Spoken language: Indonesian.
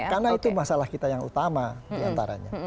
karena itu masalah kita yang utama diantaranya